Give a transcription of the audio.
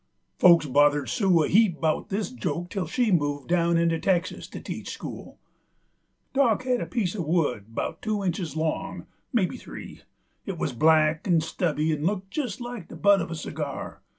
Folks bothered Sue a heap 'bout this joke till she moved down into Texas to teach school. Dock had a piece uv wood 'bout two inches long, maybe three: it wuz black 'nd stubby 'nd looked jest like the butt uv a cigar.